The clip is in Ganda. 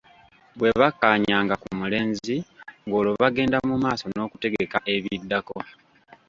Bwe bakkaanyanga ku mulenzi ng’olwo bagenda mu maaso n’okutegeka ebiddako.